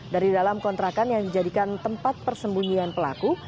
dari dalam kontrakan yang dijadikan tempat persembunyian pelaku